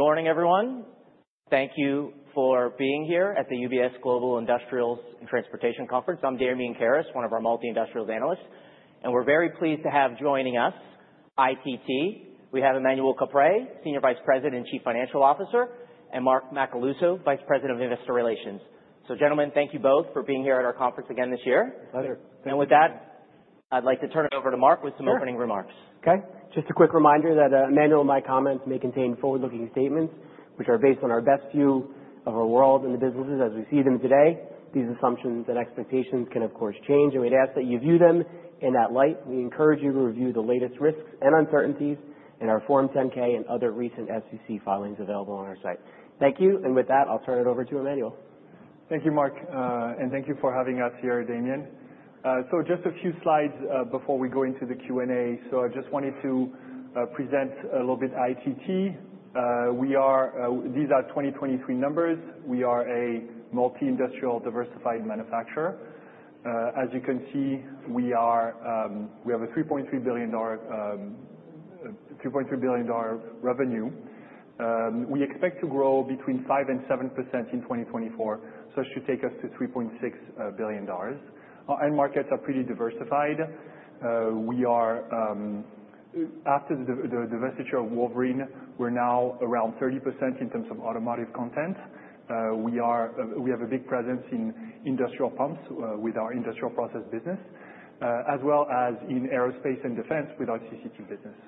Good morning, everyone. Thank you for being here at the UBS Global Industrials and Transportation Conference. I'm Damian Karas, one of our multi-industrial analysts, and we're very pleased to have joining us ITT. We have Emmanuel Caprais, Senior Vice President and Chief Financial Officer, and Mark Macaluso, Vice President of Investor Relations. So, gentlemen, thank you both for being here at our conference again this year. Pleasure. With that, I'd like to turn it over to Mark with some opening remarks. Okay. Just a quick reminder that Emmanuel and my comments may contain forward-looking statements which are based on our best view of our world and the businesses as we see them today. These assumptions and expectations can, of course, change, and we'd ask that you view them in that light. We encourage you to review the latest risks and uncertainties in our Form 10-K and other recent SEC filings available on our site. Thank you. And with that, I'll turn it over to Emmanuel. Thank you, Mark, and thank you for having us here, Damian. So just a few slides before we go into the Q&A. So I just wanted to present a little bit ITT. We are, these are 2023 numbers. We are a multi-industrial, diversified manufacturer. As you can see, we have a $3.3 billion revenue. We expect to grow between 5% and 7% in 2024, so it should take us to $3.6 billion. Our end markets are pretty diversified. We are, after the divestiture of Wolverine, we're now around 30% in terms of automotive content. We have a big presence in industrial pumps with our Industrial Process business, as well as in aerospace and defense with our CCT business.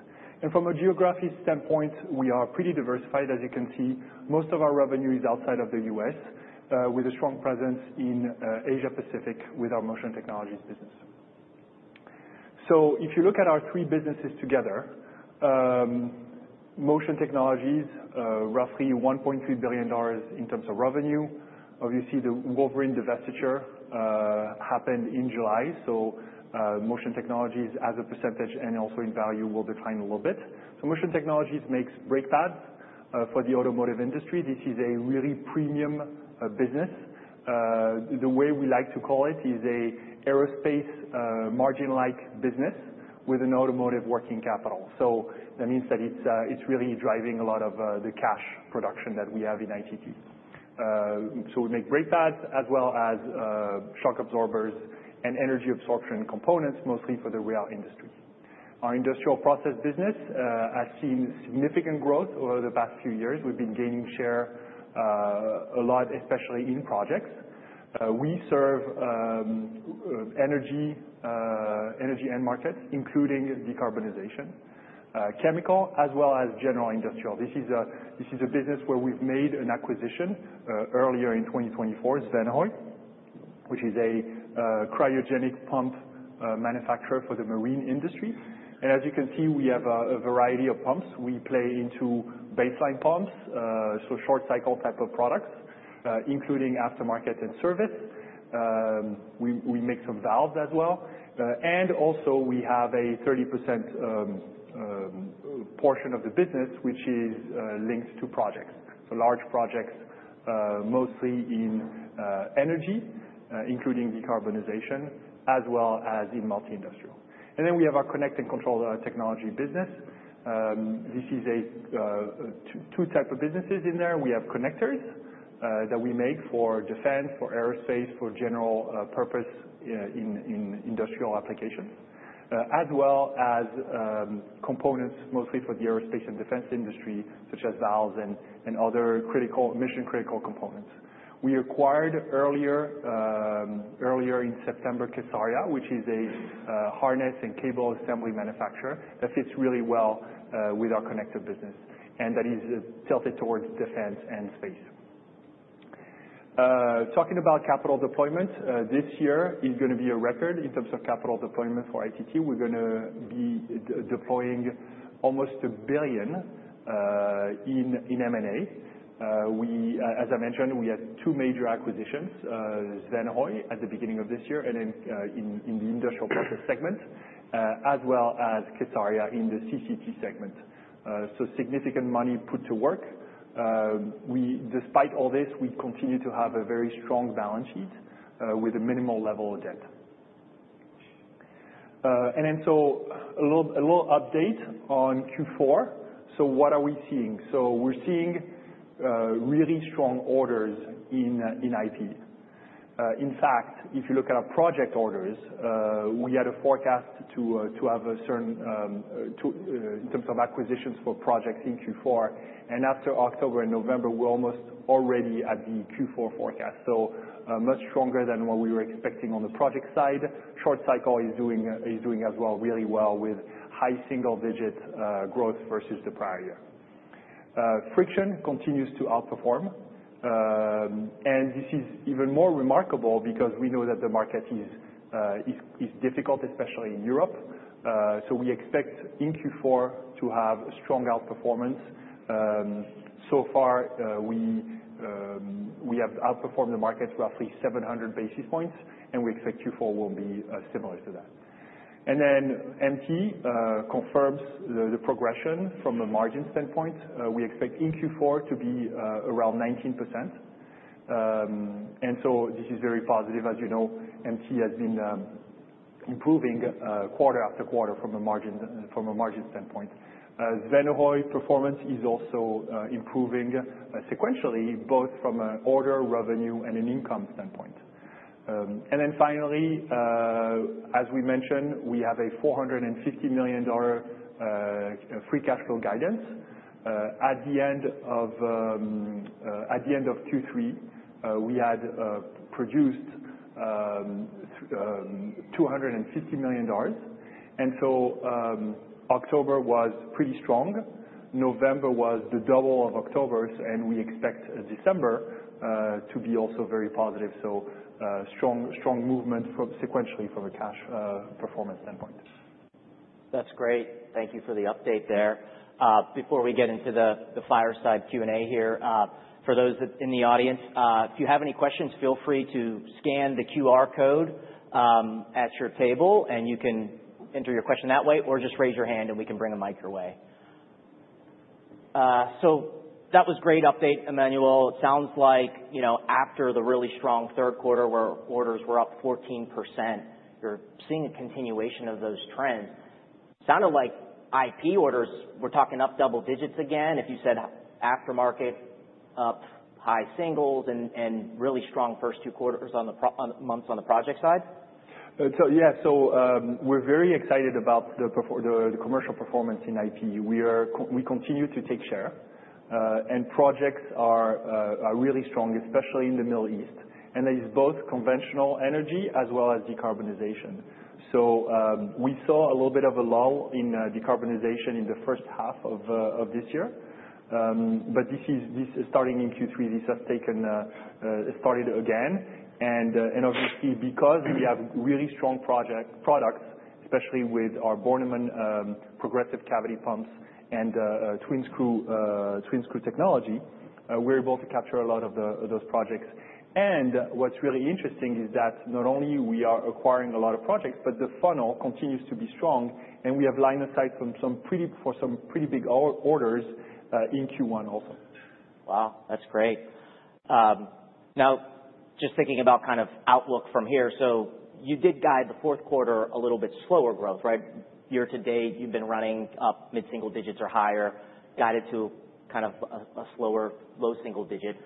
And from a geography standpoint, we are pretty diversified. As you can see, most of our revenue is outside of the U.S., with a strong presence in Asia Pacific with our Motion Technologies business. So if you look at our three businesses together, Motion Technologies, roughly $1.3 billion in terms of revenue. Obviously, the Wolverine divestiture happened in July, so Motion Technologies, as a percentage and also in value, will decline a little bit. So Motion Technologies makes brake pads for the automotive industry. This is a really premium business. The way we like to call it is an aerospace margin-like business with an automotive working capital. So that means that it's really driving a lot of the cash production that we have in ITT. So we make brake pads as well as shock absorbers and energy absorption components, mostly for the rail industry. Our Industrial Process business has seen significant growth over the past few years. We've been gaining share a lot, especially in projects. We serve energy and markets, including decarbonization, chemical, as well as general industrial. This is a business where we've made an acquisition earlier in 2024, Svanehøj, which is a cryogenic pump manufacturer for the marine industry, and as you can see, we have a variety of pumps. We play into baseline pumps, so short-cycle type of products, including aftermarket and service. We make some valves as well, and also we have a 30% portion of the business which is linked to projects, so large projects, mostly in energy, including decarbonization, as well as in multi-industrial, and then we have our Connect and Control Technologies business. This is two types of businesses in there. We have connectors that we make for defense, for aerospace, for general purpose in industrial applications, as well as components, mostly for the aerospace and defense industry, such as valves and other mission-critical components. We acquired earlier in September kSARIA, which is a harness and cable assembly manufacturer that fits really well with our connector business, and that is tilted towards defense and space. Talking about capital deployments, this year is going to be a record in terms of capital deployments for ITT. We're going to be deploying almost $1 billion in M&A. As I mentioned, we had two major acquisitions, Svanehøj at the beginning of this year and in the Industrial Process Segment, as well as kSARIA in the CCT segment. So significant money put to work. Despite all this, we continue to have a very strong balance sheet with a minimal level of debt. And then, a little update on Q4. So, what are we seeing? So, we're seeing really strong orders in ITT. In fact, if you look at our project orders, we had a forecast to have a certain in terms of acquisitions for projects in Q4. And after October and November, we're almost already at the Q4 forecast. So, much stronger than what we were expecting on the project side. Short-cycle is doing as well really well with high single-digit growth versus the prior year. Friction continues to outperform. And this is even more remarkable because we know that the market is difficult, especially in Europe. So, we expect in Q4 to have a strong outperformance. So far, we have outperformed the market roughly 700 basis points, and we expect Q4 will be similar to that. And then, MT confirms the progression from a margin standpoint. We expect in Q4 to be around 19%, and so this is very positive. As you know, MT has been improving quarter after quarter from a margin standpoint. Svanehøj performance is also improving sequentially, both from an order revenue and an income standpoint, and then finally, as we mentioned, we have a $450 million free cash flow guidance. At the end of Q3, we had produced $250 million, and so October was pretty strong. November was the double of October's, and we expect December to be also very positive, so strong movement sequentially from a cash performance standpoint. That's great. Thank you for the update there. Before we get into the fireside Q&A here, for those in the audience, if you have any questions, feel free to scan the QR code at your table, and you can enter your question that way or just raise your hand, and we can bring a mic your way. So that was great update, Emmanuel. It sounds like after the really strong third quarter, where orders were up 14%, you're seeing a continuation of those trends. Sounded like IP orders. We're talking up double digits again, if you said aftermarket up high singles and really strong first two quarters months on the project side. Yeah. So we're very excited about the commercial performance in IP. We continue to take share, and projects are really strong, especially in the Middle East. And that is both conventional energy as well as decarbonization. So we saw a little bit of a lull in decarbonization in the first half of this year. But this is starting in Q3. This has started again. And obviously, because we have really strong products, especially with our Bornemann Progressive Cavity pumps and Twin-Screw technology, we're able to capture a lot of those projects. And what's really interesting is that not only are we acquiring a lot of projects, but the funnel continues to be strong, and we have line of sight for some pretty big orders in Q1 also. Wow. That's great. Now, just thinking about kind of outlook from here, so you did guide the fourth quarter a little bit slower growth, right? Year to date, you've been running up mid-single digits or higher, guided to kind of a slower low single digit,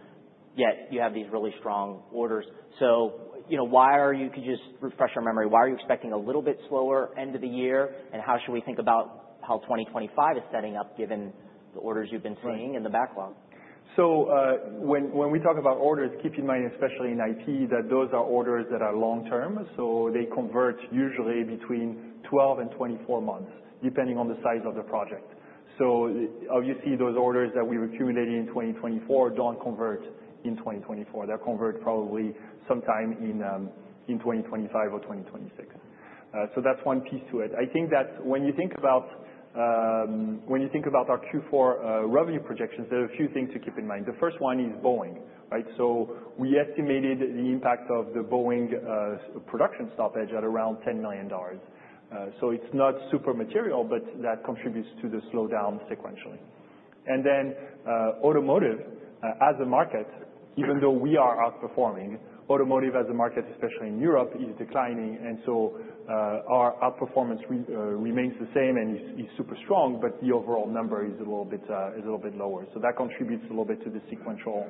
yet you have these really strong orders. So, why are you? Can you just refresh our memory? Why are you expecting a little bit slower end of the year? And how should we think about how 2025 is setting up, given the orders you've been seeing in the backlog? So when we talk about orders, keep in mind, especially in ITT, that those are orders that are long-term. So they convert usually between 12 and 24 months, depending on the size of the project. So obviously, those orders that we've accumulated in 2024 don't convert in 2024. They'll convert probably sometime in 2025 or 2026. So that's one piece to it. I think that when you think about our Q4 revenue projections, there are a few things to keep in mind. The first one is Boeing, right? So we estimated the impact of the Boeing production stoppage at around $10 million. So it's not super material, but that contributes to the slowdown sequentially. And then automotive, as a market, even though we are outperforming, automotive as a market, especially in Europe, is declining. Our outperformance remains the same and is super strong, but the overall number is a little bit lower. That contributes a little bit to the sequential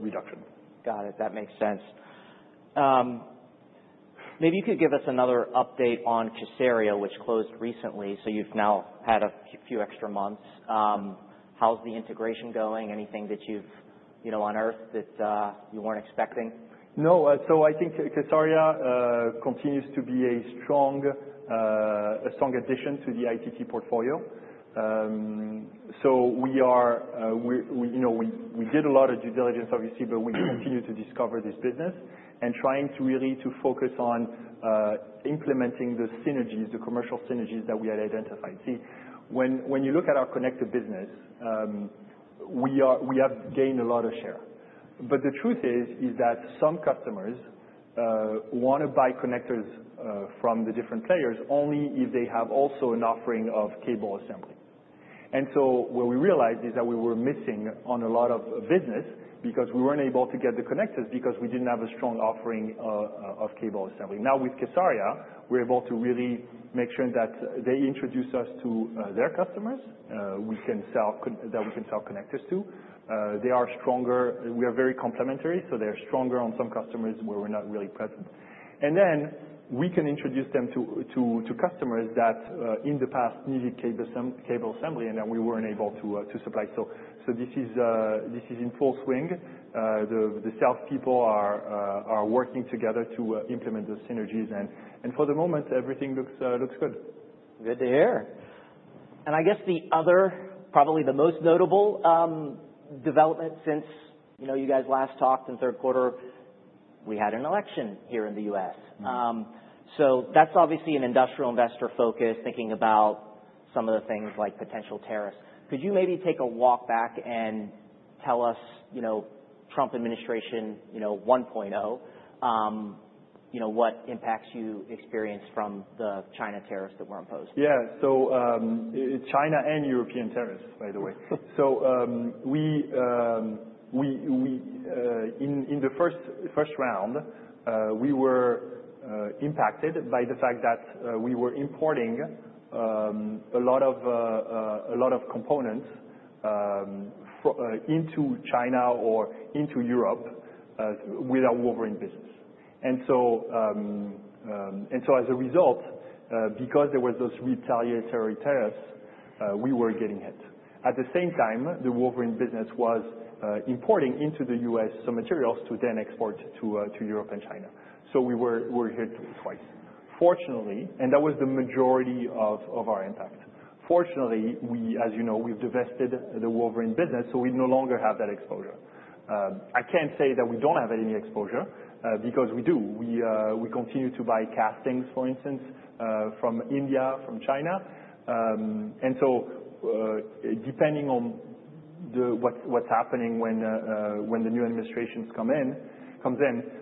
reduction. Got it. That makes sense. Maybe you could give us another update on kSARIA, which closed recently. So you've now had a few extra months. How's the integration going? Anything that you've unearthed that you weren't expecting? No. So I think kSARIA continues to be a strong addition to the ITT portfolio. So we did a lot of due diligence, obviously, but we continue to discover this business and trying to really focus on implementing the synergies, the commercial synergies that we had identified. See, when you look at our connector business, we have gained a lot of share. But the truth is that some customers want to buy connectors from the different players only if they have also an offering of cable assembly. And so what we realized is that we were missing on a lot of business because we weren't able to get the connectors because we didn't have a strong offering of cable assembly. Now with kSARIA, we're able to really make sure that they introduce us to their customers that we can sell connectors to. They are stronger. We are very complementary, so they are stronger on some customers where we're not really present, and then we can introduce them to customers that in the past needed cable assembly, and then we weren't able to supply, so this is in full swing. The salespeople are working together to implement the synergies, and for the moment, everything looks good. Good to hear. And I guess the other, probably the most notable development since you guys last talked in third quarter, we had an election here in the U.S. So that's obviously an industrial investor focus, thinking about some of the things like potential tariffs. Could you maybe take a walk back and tell us Trump administration 1.0, what impacts you experienced from the China tariffs that were imposed? Yeah. So, China and European tariffs, by the way. In the first round, we were impacted by the fact that we were importing a lot of components into China or into Europe with our Wolverine business. And so as a result, because there were those retaliatory tariffs, we were getting hit. At the same time, the Wolverine business was importing into the U.S. some materials to then export to Europe and China. So we were hit twice. Fortunately, and that was the majority of our impact. Fortunately, as you know, we've divested the Wolverine business, so we no longer have that exposure. I can't say that we don't have any exposure because we do. We continue to buy castings, for instance, from India, from China. And so depending on what's happening when the new administrations come in,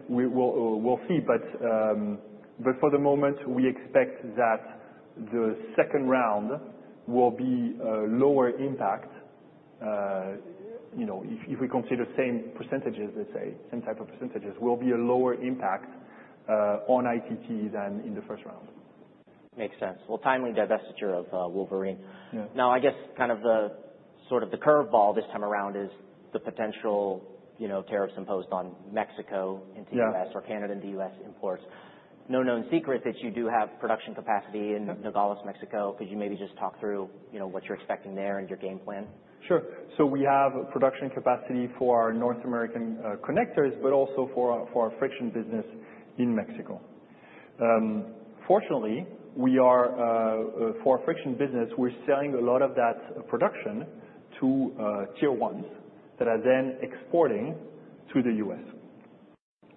we'll see. But for the moment, we expect that the second round will be lower impact. If we consider same percentages, let's say, same type of percentages, will be a lower impact on ITT than in the first round. Makes sense. Timely divestiture of Wolverine. Now, I guess kind of sort of the curveball this time around is the potential tariffs imposed on Mexico into the U.S. or Canada into the U.S. imports. It's no secret that you do have production capacity in Nogales, Mexico. Could you maybe just talk through what you're expecting there and your game plan? Sure. So we have production capacity for our North American connectors, but also for our friction business in Mexico. Fortunately, for our friction business, we're selling a lot of that production to Tier 1s that are then exporting to the U.S.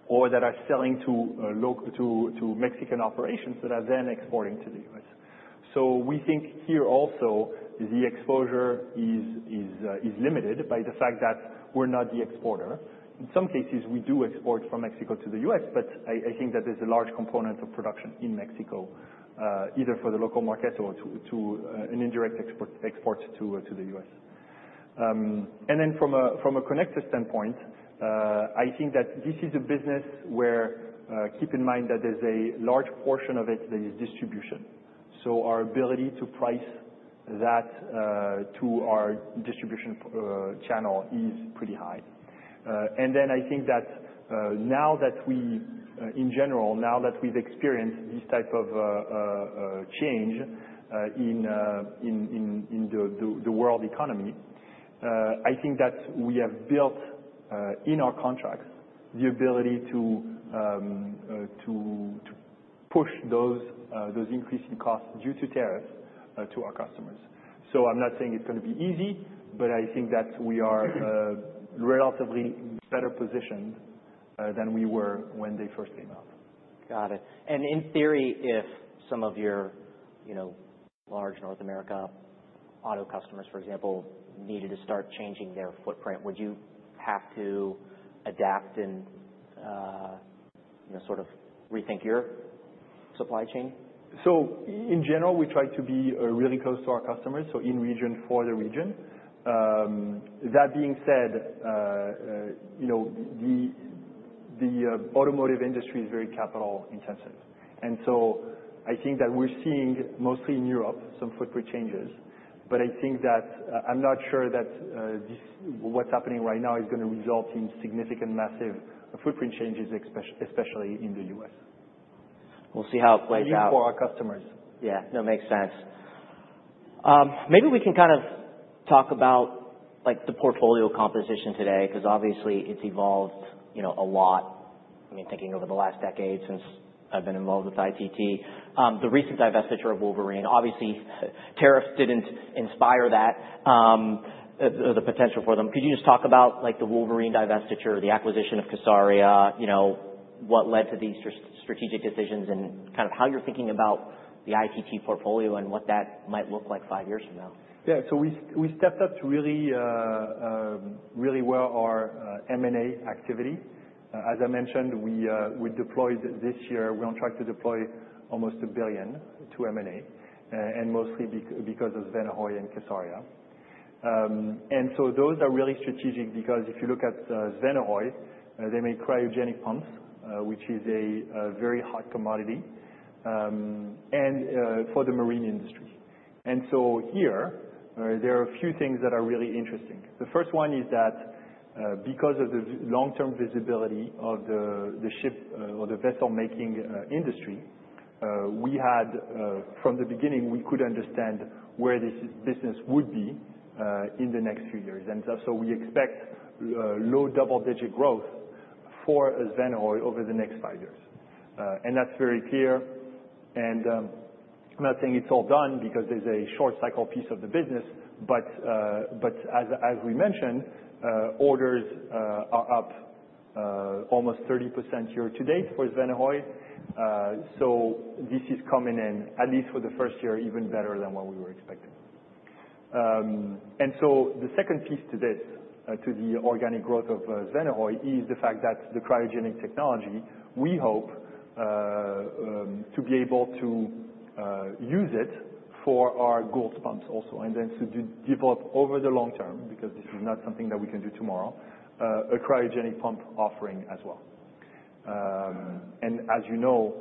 or that are selling to Mexican operations that are then exporting to the U.S. So we think here also the exposure is limited by the fact that we're not the exporter. In some cases, we do export from Mexico to the U.S., but I think that there's a large component of production in Mexico, either for the local market or to an indirect export to the U.S. And then from a connector standpoint, I think that this is a business where, keep in mind, that there's a large portion of it that is distribution. So our ability to price that to our distribution channel is pretty high. And then I think that now that we, in general, now that we've experienced this type of change in the world economy, I think that we have built in our contracts the ability to push those increasing costs due to tariffs to our customers. So I'm not saying it's going to be easy, but I think that we are relatively better positioned than we were when they first came out. Got it. And in theory, if some of your large North America auto customers, for example, needed to start changing their footprint, would you have to adapt and sort of rethink your supply chain? So, in general, we try to be really close to our customers, so in region for the region. That being said, the automotive industry is very capital intensive. And so I think that we're seeing mostly in Europe some footprint changes, but I think that I'm not sure that what's happening right now is going to result in significant massive footprint changes, especially in the US. We'll see how it plays out. At least for our customers. Yeah. No, makes sense. Maybe we can kind of talk about the portfolio composition today because obviously it's evolved a lot. I mean, thinking over the last decade since I've been involved with ITT, the recent divestiture of Wolverine, obviously. Tariffs didn't inspire that or the potential for them. Could you just talk about the Wolverine divestiture, the acquisition of kSARIA, what led to these strategic decisions, and kind of how you're thinking about the ITT portfolio and what that might look like five years from now? Yeah. So we stepped up really well our M&A activity. As I mentioned, we deployed this year. We're on track to deploy almost $1 billion to M&A, and mostly because of Svanehøj and kSARIA. And so those are really strategic because if you look at Svanehøj, they make cryogenic pumps, which is a very hot commodity, and for the marine industry. And so here, there are a few things that are really interesting. The first one is that because of the long-term visibility of the ship or the vessel-making industry, we had, from the beginning, we could understand where this business would be in the next few years. And so we expect low double-digit growth for Svanehøj over the next five years. And that's very clear. And I'm not saying it's all done because there's a short-cycle piece of the business, but as we mentioned, orders are up almost 30% year to date for Svanehøj. So this is coming in, at least for the first year, even better than what we were expecting. And so the second piece to this, to the organic growth of Svanehøj, is the fact that the cryogenic technology, we hope to be able to use it for our Goulds pumps also, and then to develop over the long term, because this is not something that we can do tomorrow, a cryogenic pump offering as well. And as you know,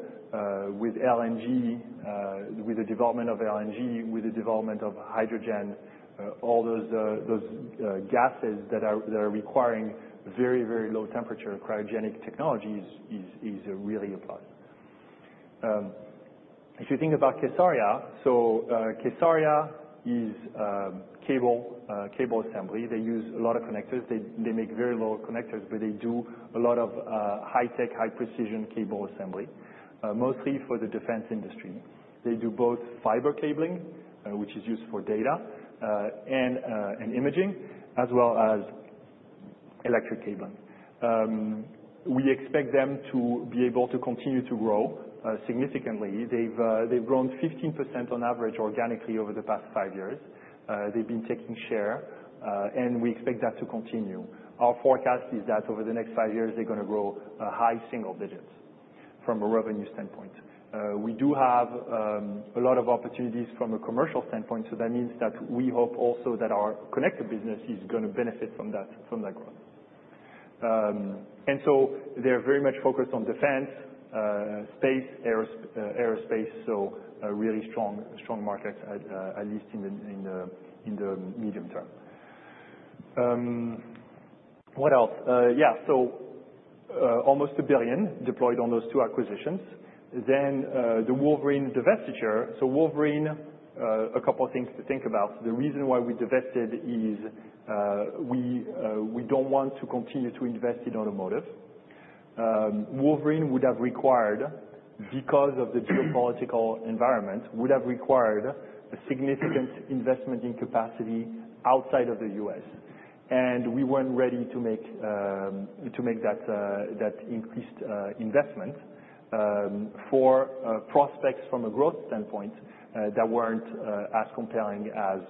with LNG, with the development of LNG, with the development of hydrogen, all those gases that are requiring very, very low temperature cryogenic technology is really a plus. If you think about kSARIA, so kSARIA, cable assembly, they use a lot of connectors. They make very low connectors, but they do a lot of high-tech, high-precision cable assembly, mostly for the defense industry. They do both fiber cabling, which is used for data and imaging, as well as electric cabling. We expect them to be able to continue to grow significantly. They've grown 15% on average organically over the past five years. They've been taking share, and we expect that to continue. Our forecast is that over the next five years, they're going to grow high single digits from a revenue standpoint. We do have a lot of opportunities from a commercial standpoint, so that means that we hope also that our connector business is going to benefit from that growth. And so they're very much focused on defense, space, aerospace, so really strong markets, at least in the medium term. What else? Yeah. So almost $1 billion deployed on those two acquisitions. Then the Wolverine divestiture. So Wolverine, a couple of things to think about. The reason why we divested is we don't want to continue to invest in automotive. Wolverine would have required, because of the geopolitical environment, would have required a significant investment in capacity outside of the U.S. And we weren't ready to make that increased investment for prospects from a growth standpoint that weren't as compelling as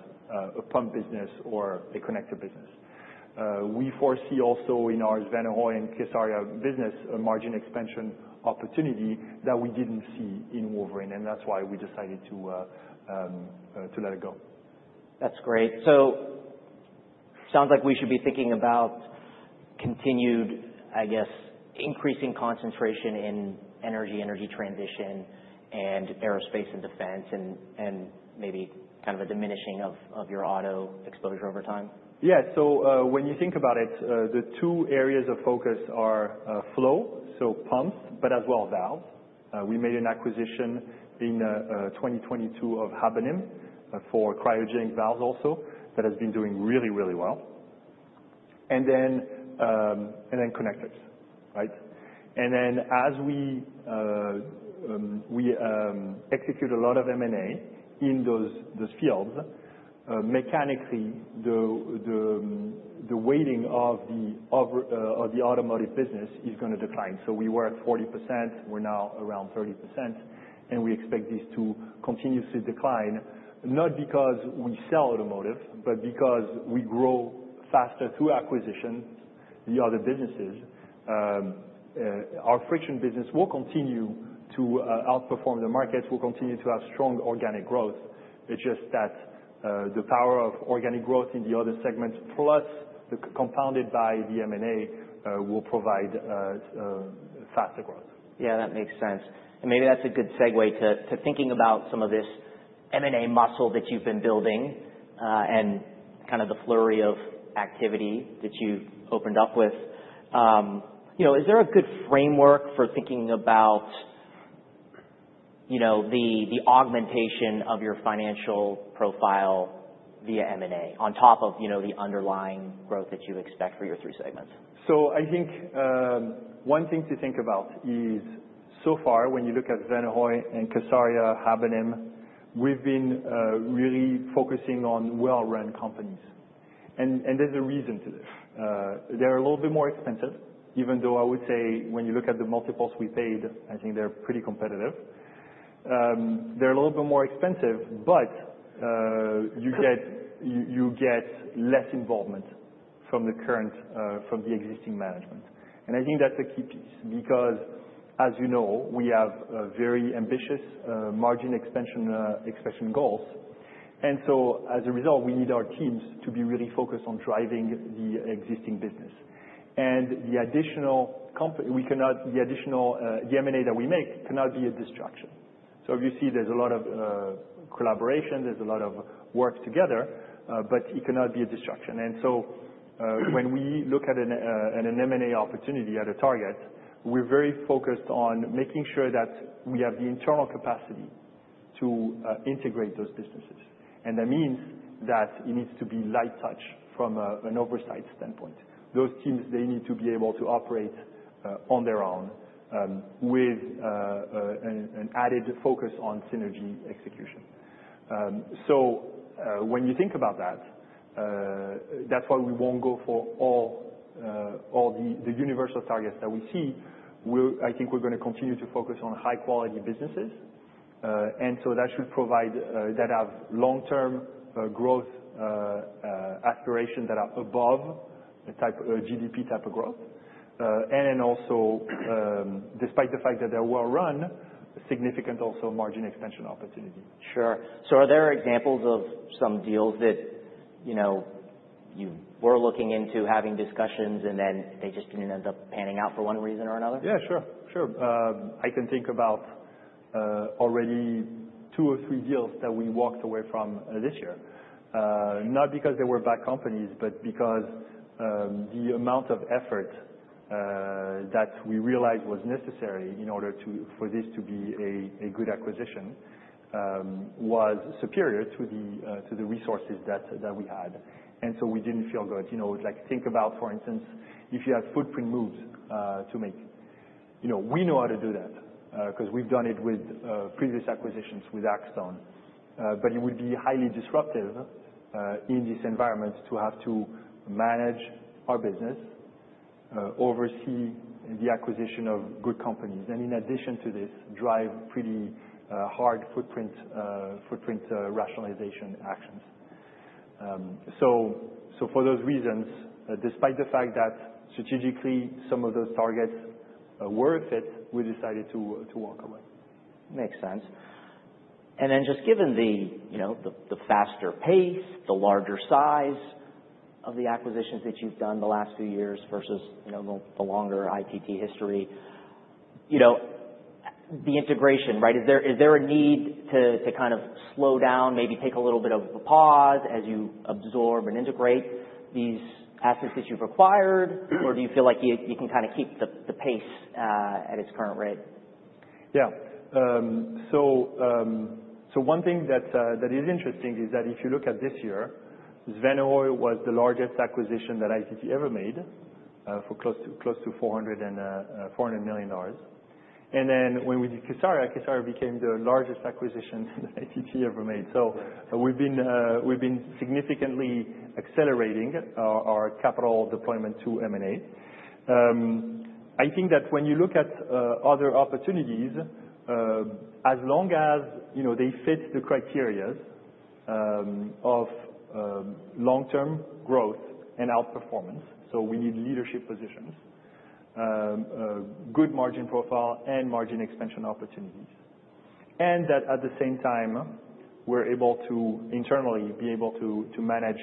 a pump business or a connector business. We foresee also in our Svanehøj and kSARIA business a margin expansion opportunity that we didn't see in Wolverine, and that's why we decided to let it go. That's great. So it sounds like we should be thinking about continued, I guess, increasing concentration in energy, energy transition, and aerospace and defense, and maybe kind of a diminishing of your auto exposure over time. Yeah. So when you think about it, the two areas of focus are flow, so pumps, but as well valves. We made an acquisition in 2022 of Habonim for cryogenic valves also that has been doing really, really well. And then connectors, right? And then as we execute a lot of M&A in those fields, mechanically, the weighting of the automotive business is going to decline. So we were at 40%. We're now around 30%, and we expect this to continuously decline, not because we sell automotive, but because we grow faster through acquisition. The other businesses, our friction business will continue to outperform the markets, will continue to have strong organic growth. It's just that the power of organic growth in the other segments, plus compounded by the M&A, will provide faster growth. Yeah, that makes sense. Maybe that's a good segue to thinking about some of this M&A muscle that you've been building and kind of the flurry of activity that you opened up with. Is there a good framework for thinking about the augmentation of your financial profile via M&A on top of the underlying growth that you expect for your three segments? So I think one thing to think about is so far, when you look at Svanehøj and kSARIA, Habonim, we've been really focusing on well-run companies. And there's a reason to this. They're a little bit more expensive, even though I would say when you look at the multiples we paid, I think they're pretty competitive. They're a little bit more expensive, but you get less involvement from the current, from the existing management. And I think that's a key piece because, as you know, we have very ambitious margin expansion goals. And so as a result, we need our teams to be really focused on driving the existing business. And the additional company, the M&A that we make cannot be a distraction. So obviously, there's a lot of collaboration. There's a lot of work together, but it cannot be a distraction. And so when we look at an M&A opportunity at a target, we're very focused on making sure that we have the internal capacity to integrate those businesses. And that means that it needs to be light touch from an oversight standpoint. Those teams, they need to be able to operate on their own with an added focus on synergy execution. So when you think about that, that's why we won't go for all the universal targets that we see. I think we're going to continue to focus on high-quality businesses. And so that should provide that have long-term growth aspirations that are above GDP type of growth. And then also, despite the fact that they're well-run, significant also margin expansion opportunity. Sure. So are there examples of some deals that you were looking into having discussions and then they just didn't end up panning out for one reason or another? Yeah, sure. Sure. I can think about already two or three deals that we walked away from this year, not because they were bad companies, but because the amount of effort that we realized was necessary in order for this to be a good acquisition was superior to the resources that we had, and so we didn't feel good. Think about, for instance, if you have footprint moves to make. We know how to do that because we've done it with previous acquisitions with Axtone, but it would be highly disruptive in this environment to have to manage our business, oversee the acquisition of good companies, and in addition to this, drive pretty hard footprint rationalization actions. For those reasons, despite the fact that strategically some of those targets were a fit, we decided to walk away. Makes sense, and then just given the faster pace, the larger size of the acquisitions that you've done the last few years versus the longer ITT history, the integration, right? Is there a need to kind of slow down, maybe take a little bit of a pause as you absorb and integrate these assets that you've acquired, or do you feel like you can kind of keep the pace at its current rate? Yeah. So one thing that is interesting is that if you look at this year, Svanehøj was the largest acquisition that ITT ever made for close to $400 million. And then when we did kSARIA, kSARIA became the largest acquisition that ITT ever made. So we've been significantly accelerating our capital deployment to M&A. I think that when you look at other opportunities, as long as they fit the criteria of long-term growth and outperformance, so we need leadership positions, good margin profile, and margin expansion opportunities, and that at the same time, we're able to internally be able to manage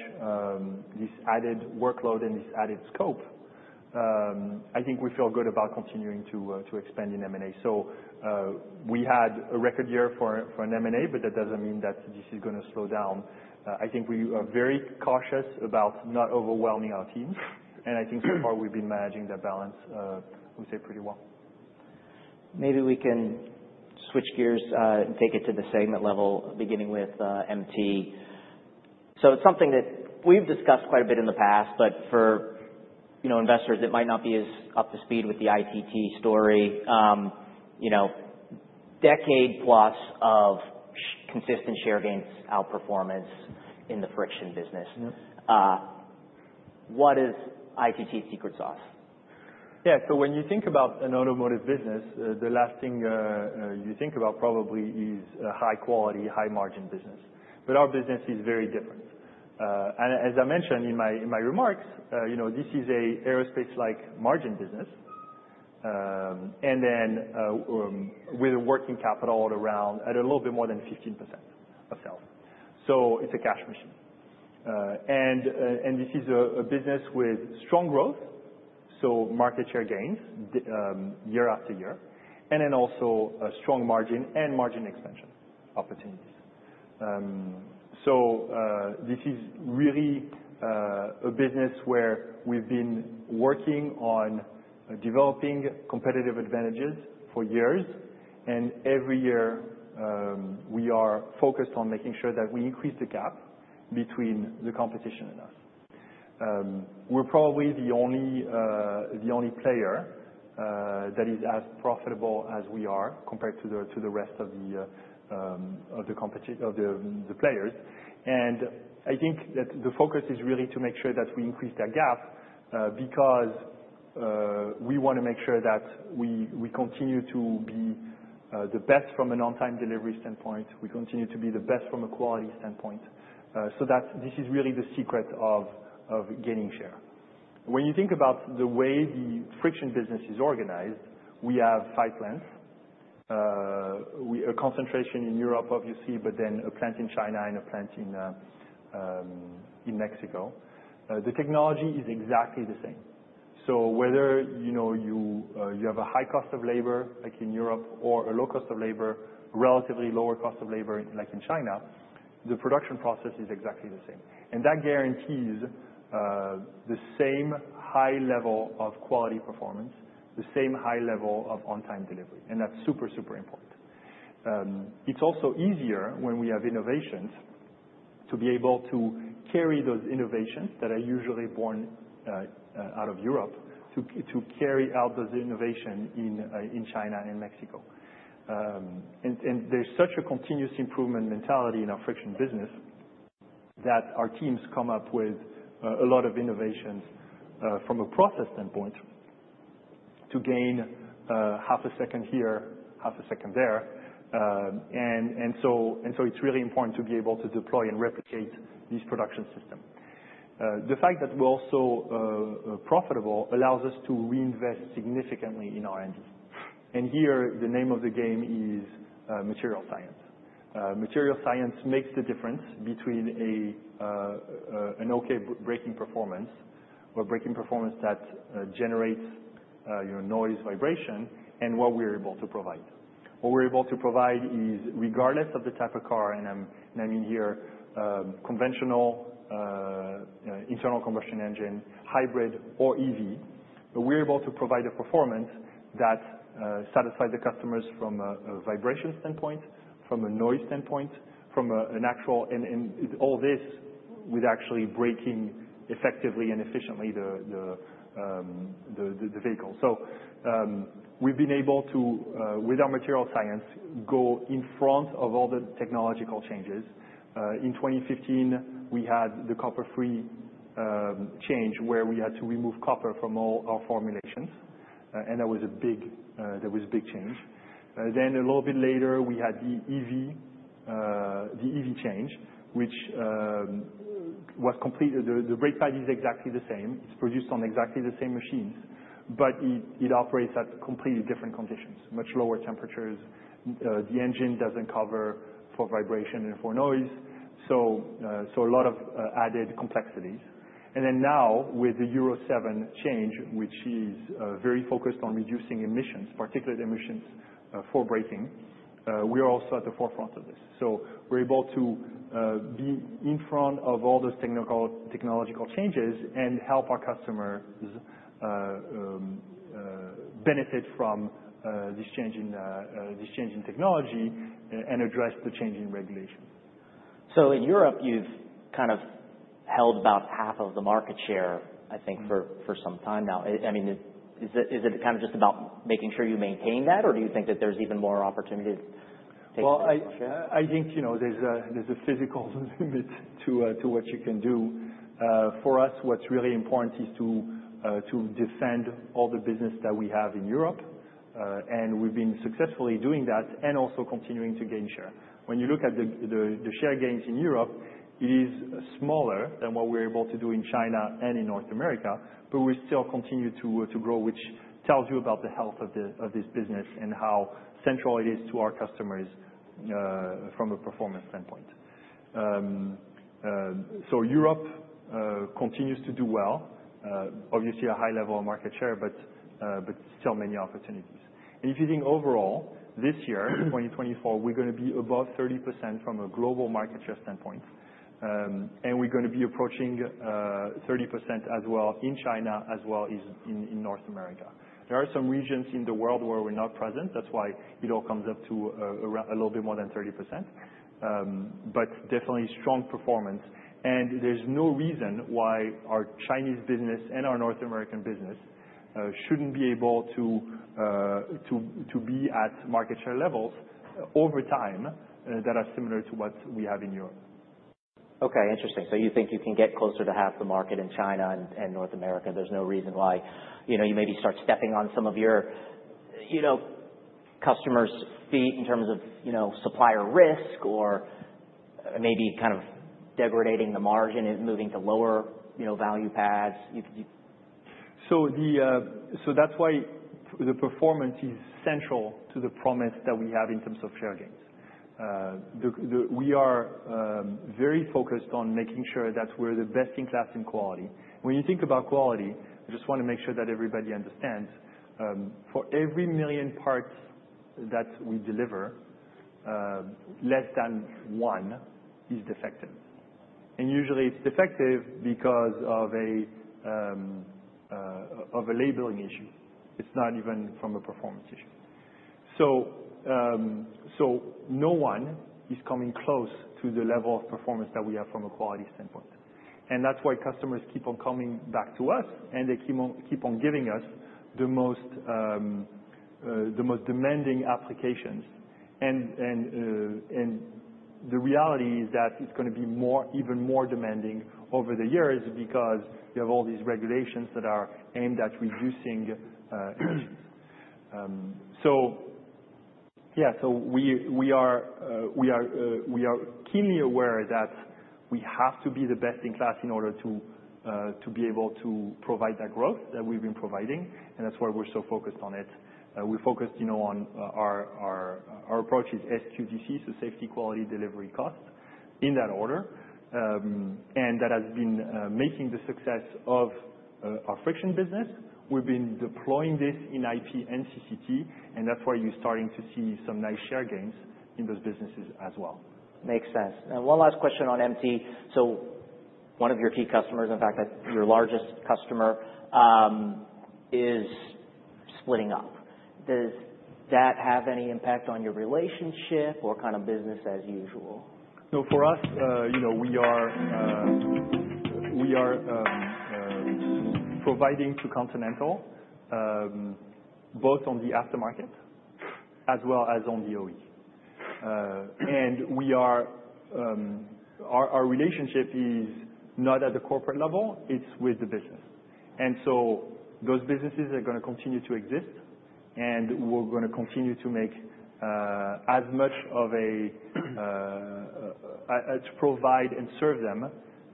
this added workload and this added scope, I think we feel good about continuing to expand in M&A. So we had a record year for an M&A, but that doesn't mean that this is going to slow down. I think we are very cautious about not overwhelming our teams. I think so far we've been managing that balance, I would say, pretty well. Maybe we can switch gears and take it to the segment level, beginning with MT. So it's something that we've discussed quite a bit in the past, but for investors that might not be as up to speed with the ITT story, decade-plus of consistent share gains outperformance in the friction business. What is ITT's secret sauce? Yeah. So when you think about an automotive business, the last thing you think about probably is a high-quality, high-margin business. But our business is very different. And as I mentioned in my remarks, this is an aerospace-like margin business, and then with a working capital at a little bit more than 15% of sales. So it's a cash machine. And this is a business with strong growth, so market share gains year after year, and then also a strong margin and margin expansion opportunities. So this is really a business where we've been working on developing competitive advantages for years. And every year, we are focused on making sure that we increase the gap between the competition and us. We're probably the only player that is as profitable as we are compared to the rest of the players. And I think that the focus is really to make sure that we increase that gap because we want to make sure that we continue to be the best from an on-time delivery standpoint. We continue to be the best from a quality standpoint. So this is really the secret of gaining share. When you think about the way the friction business is organized, we have five plants, a concentration in Europe, obviously, but then a plant in China and a plant in Mexico. The technology is exactly the same. So whether you have a high cost of labor like in Europe or a low cost of labor, relatively lower cost of labor like in China, the production process is exactly the same. And that guarantees the same high level of quality performance, the same high level of on-time delivery. And that's super, super important. It's also easier when we have innovations to be able to carry those innovations that are usually born out of Europe to carry out those innovations in China and Mexico. There's such a continuous improvement mentality in our friction business that our teams come up with a lot of innovations from a process standpoint to gain half a second here, half a second there. It's really important to be able to deploy and replicate these production systems. The fact that we're also profitable allows us to reinvest significantly in R&D. Here, the name of the game is materials science. Materials science makes the difference between an okay braking performance or braking performance that generates noise, vibration, and what we're able to provide. What we're able to provide is, regardless of the type of car, and I mean here conventional internal combustion engine, hybrid, or EV, we're able to provide a performance that satisfies the customers from a vibration standpoint, from a noise standpoint, from a braking standpoint and all this while actually braking effectively and efficiently the vehicle, so we've been able to, with our materials science, go in front of all the technological changes. In 2015, we had the copper-free change where we had to remove copper from all our formulations, and that was a big change, then a little bit later, we had the EV change, the brake pad is exactly the same. It's produced on exactly the same machines, but it operates at completely different conditions, much lower temperatures. The engine doesn't cover for vibration and for noise, so a lot of added complexities. And then now, with the Euro 7 change, which is very focused on reducing emissions, particulate emissions for braking, we are also at the forefront of this. So we're able to be in front of all those technological changes and help our customers benefit from this change in technology and address the change in regulation. So in Europe, you've kind of held about half of the market share, I think, for some time now. I mean, is it kind of just about making sure you maintain that, or do you think that there's even more opportunity to take some advantage? I think there's a physical limit to what you can do. For us, what's really important is to defend all the business that we have in Europe. We've been successfully doing that and also continuing to gain share. When you look at the share gains in Europe, it is smaller than what we're able to do in China and in North America, but we still continue to grow, which tells you about the health of this business and how central it is to our customers from a performance standpoint. Europe continues to do well, obviously a high level of market share, but still many opportunities. If you think overall, this year, 2024, we're going to be above 30% from a global market share standpoint. We're going to be approaching 30% as well in China as well as in North America. There are some regions in the world where we're not present. That's why it all comes up to a little bit more than 30%. But definitely strong performance. And there's no reason why our Chinese business and our North American business shouldn't be able to be at market share levels over time that are similar to what we have in Europe. Okay. Interesting. So you think you can get closer to half the market in China and North America. There's no reason why you maybe start stepping on some of your customers' feet in terms of supplier risk or maybe kind of degrading the margin and moving to lower value paths? So that's why the performance is central to the promise that we have in terms of share gains. We are very focused on making sure that we're the best in class in quality. When you think about quality, I just want to make sure that everybody understands. For every million parts that we deliver, less than one is defective. And usually, it's defective because of a labeling issue. It's not even from a performance issue. So no one is coming close to the level of performance that we have from a quality standpoint. And that's why customers keep on coming back to us, and they keep on giving us the most demanding applications. And the reality is that it's going to be even more demanding over the years because you have all these regulations that are aimed at reducing emissions. So yeah, so we are keenly aware that we have to be the best in class in order to be able to provide that growth that we've been providing. And that's why we're so focused on it. We're focused on our approach is SQDC, so Safety, Quality, Delivery, Cost, in that order. And that has been making the success of our friction business. We've been deploying this in IP and CCT. And that's why you're starting to see some nice share gains in those businesses as well. Makes sense. And one last question on MT. So one of your key customers, in fact, your largest customer, is splitting up. Does that have any impact on your relationship or kind of business as usual? No, for us, we are providing to Continental both on the aftermarket as well as on the OE. And our relationship is not at the corporate level. It's with the business. And so those businesses are going to continue to exist, and we're going to continue to make as much of a to provide and serve them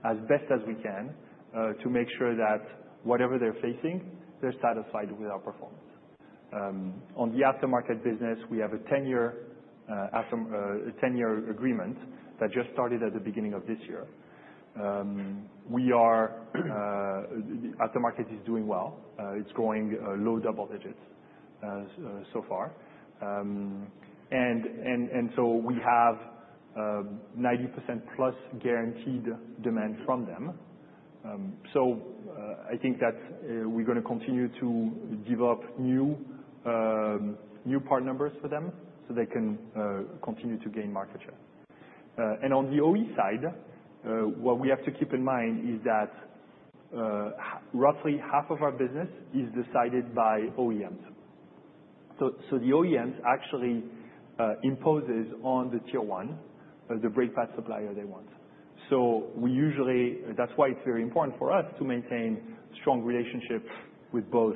as best as we can to make sure that whatever they're facing, they're satisfied with our performance. On the aftermarket business, we have a 10-year agreement that just started at the beginning of this year. The aftermarket is doing well. It's growing low double digits so far. And so we have 90% plus guaranteed demand from them. So I think that we're going to continue to develop new part numbers for them so they can continue to gain market share. And on the OE side, what we have to keep in mind is that roughly half of our business is decided by OEMs. So the OEMs actually impose on the Tier 1, the brake pack supplier they want. So that's why it's very important for us to maintain strong relationships with both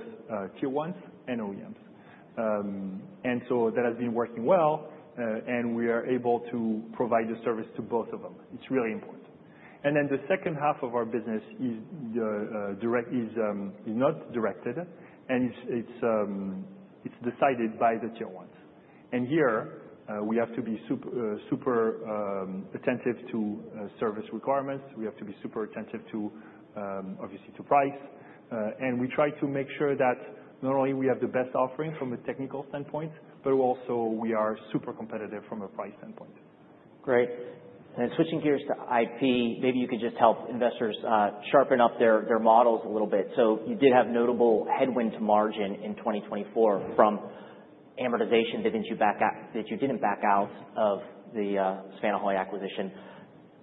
Tier 1s and OEMs. And so that has been working well, and we are able to provide the service to both of them. It's really important. And then the second half of our business is not directed, and it's decided by the Tier 1s. And here, we have to be super attentive to service requirements. We have to be super attentive to, obviously, to price. And we try to make sure that not only we have the best offering from a technical standpoint, but also we are super competitive from a price standpoint. Great. And switching gears to IP, maybe you could just help investors sharpen up their models a little bit. So you did have notable headwind to margin in 2024 from amortization that you didn't back out of the Svanehøj acquisition.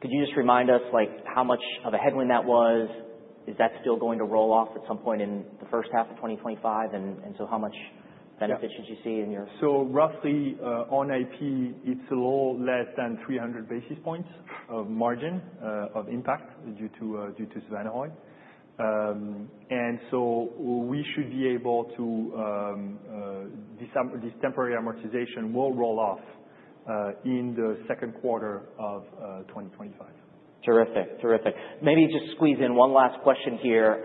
Could you just remind us how much of a headwind that was? Is that still going to roll off at some point in the first half of 2025? And so how much benefit should you see in your? So roughly on IP, it's a little less than 300 basis points of margin of impact due to Svanehøj. And so we should be able to. This temporary amortization will roll off in the second quarter of 2025. Terrific. Terrific. Maybe just squeeze in one last question here.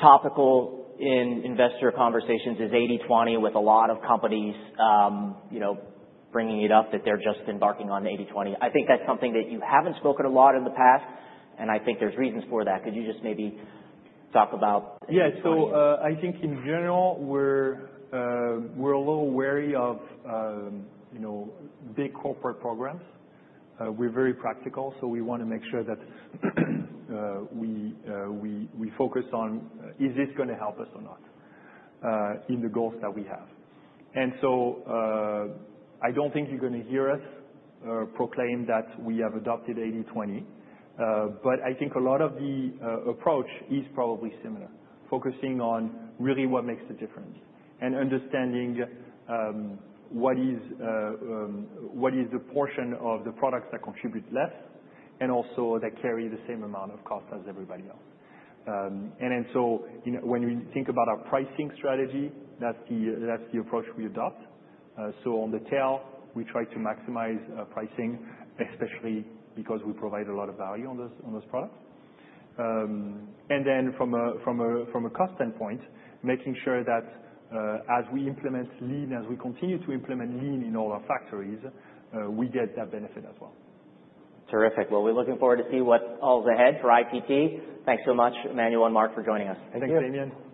Topical in investor conversations is 80/20 with a lot of companies bringing it up that they're just embarking on the 80/20. I think that's something that you haven't spoken a lot in the past, and I think there's reasons for that. Could you just maybe talk about? Yeah, so I think in general, we're a little wary of big corporate programs. We're very practical, so we want to make sure that we focus on is this going to help us or not in the goals that we have, and so I don't think you're going to hear us proclaim that we have adopted 80/20, but I think a lot of the approach is probably similar, focusing on really what makes the difference and understanding what is the portion of the products that contribute less and also that carry the same amount of cost as everybody else, and so when we think about our pricing strategy, that's the approach we adopt, so on the tail, we try to maximize pricing, especially because we provide a lot of value on those products. And then from a cost standpoint, making sure that as we implement lean, as we continue to implement lean in all our factories, we get that benefit as well. Terrific. We're looking forward to see what's ahead for ITT. Thanks so much, Emmanuel and Mark, for joining us. Thanks, Damian.